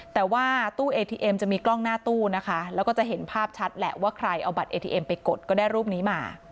แต่ว่าตู้เอทีเอ็มจะมีกล้องหน้าตู้นะคะแล้วก็จะเห็นภาพชัดแหละว่าใครเอาบัตรเอทีเอ็มไปกดก็ได้รูปนี้มา